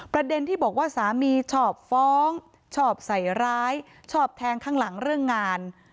ประเด็นที่บอกว่าสามีชอบฟ้องชอบใส่ร้ายชอบแทงข้างหลังเรื่องงาน